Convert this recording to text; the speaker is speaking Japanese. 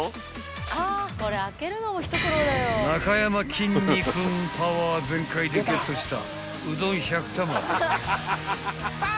［なかやまきんに君パワー全開でゲットした］